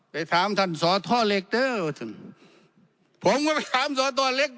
ไปถามท่านสอท่อเล็กเถอะผมก็ไปถามสอท่อเล็ก